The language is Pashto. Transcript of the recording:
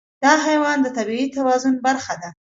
دا حیوان د طبیعي توازن برخه ده.